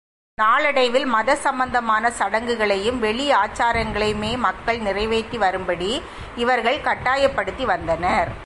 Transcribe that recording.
நாளடைவில் மத சம்பந்தமான சடங்குகளையும், வெளி ஆசாரங்களையுமே மக்கள் நிறைவேற்றி வரும்படி இவர்கள் கட்டாயப்படுத்தி வந்தனர்.